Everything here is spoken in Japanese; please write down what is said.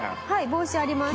帽子あります。